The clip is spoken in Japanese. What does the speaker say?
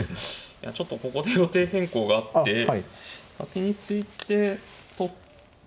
ちょっとここで予定変更があって先に突いて取って。